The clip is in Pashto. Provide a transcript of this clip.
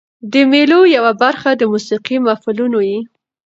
د مېلو یوه برخه د موسیقۍ محفلونه يي.